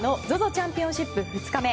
チャンピオンシップ２日目。